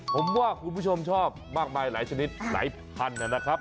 ผมว่าคุณผู้ชมชอบมากมายหลายชนิดหลายพันนะครับ